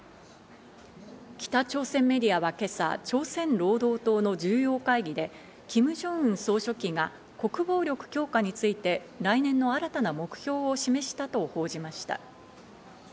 北朝鮮メディアは今朝、朝鮮労働党の重要会議で、キム・ジョンウン総書記が国防力強化について来年の新たな目標を示したと報じました。